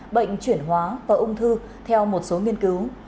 bệnh chuyển hóa và ung thư theo một số nghiên cứu